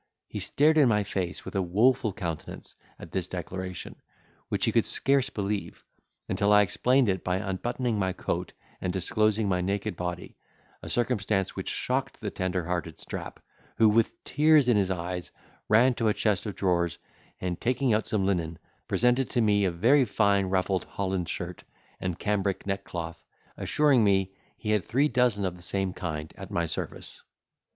He stared in my face, with a woful countenance, at this declaration, which he could scarce believe, until I explained it by unbuttoning my coat and disclosing my naked body—a circumstance which shocked the tender hearted Strap, who, with tears in his eyes, ran to a chest of drawers, and taking out some linen, presented to me a very fine ruffled Holland shirt and cambric neckcloth, assuring me he had three dozen of the same kind at my service.